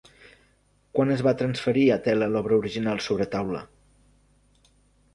Quan es va transferir a tela l'obra original sobre taula?